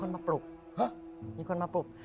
มีคนมาปลุก